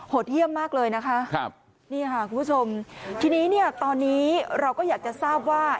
เยี่ยมมากเลยนะคะครับนี่ค่ะคุณผู้ชมทีนี้เนี่ยตอนนี้เราก็อยากจะทราบว่า